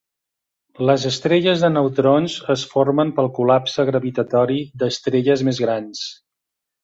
Les estrelles de neutrons es formen pel col·lapse gravitatori d'estrelles més grans.